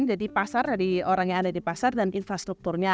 jadi orang yang ada di pasar dan infrastrukturnya